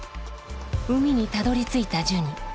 海にたどりついたジュニ。